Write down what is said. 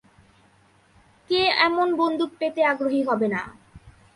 কে এমন বন্দুক পেতে আগ্রহী হবে না।